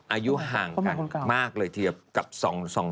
อายุห่างกันมากเลยเทียบกับ๒พวก